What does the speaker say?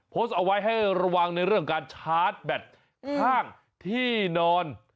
โพสต์เอาไว้ให้ระวังในเรื่องการชาร์จแบตข้างที่นอน